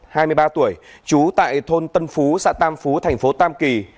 trần bá sơn hai mươi ba tuổi trú tại thôn tân phú xã tam phú thành phố tam kỳ